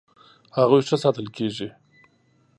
هغوی ښه ساتل کیږي.